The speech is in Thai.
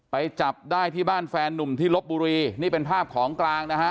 ไปจับได้ที่บ้านแฟนนุ่มที่ลบบุรีนี่เป็นภาพของกลางนะฮะ